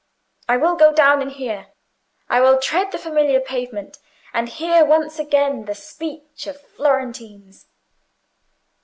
I will go down and hear—I will tread the familiar pavement, and hear once again the speech of Florentines."